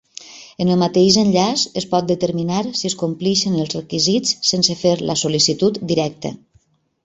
En el mateix enllaç es pot determinar si es compleixen els requisits sense fer la sol·licitud directa.